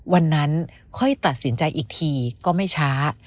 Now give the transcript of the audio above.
วันนั้นค่อยตัดสินใจอีกทีก็ไม่ช้า